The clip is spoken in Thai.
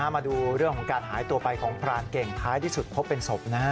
มาดูเรื่องของการหายตัวไปของพรานเก่งท้ายที่สุดพบเป็นศพนะฮะ